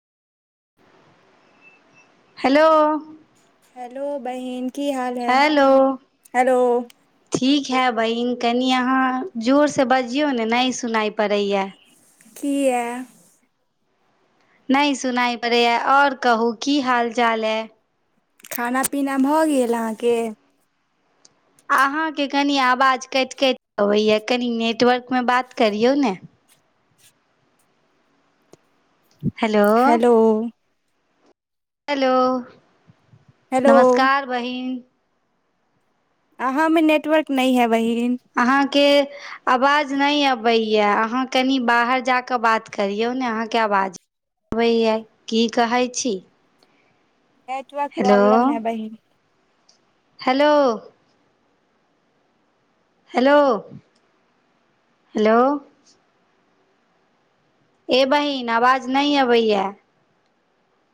Hello. Hello, बहिन। की हाल है हेलो। हेलो ठीक है, बहिन कनि अहाँ जोरसँ बजियौ ने नहि सुनाइ पड़ैए। किया? नहि सुनाइ पड़ैए, आओर कहू की हाल चाल यै। खाना पीना भऽ गेल अहाँकेँ? अहाँकेँ कनि आवाज काटि काटि अबैए कनि नेटवर्कमे बात करियौ ने। हेलो। हेलो, हेलो नमस्कार बहिन। अहाँमे नेटवर्क नहि है बहीन। अहाँकेँ। आवाज नहि अबैए, अहाँ कनि बाहर जा कऽ बात करियौ ने अहाँकेँ आवाज। अबैया, की कहैत छै। नेटवर्क प्रॉब्लम है बहिन। हेलो। Hello, hello. ए बहिन आवाज नहि अबैय।